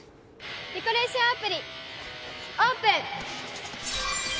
デコレーションアプリオープン！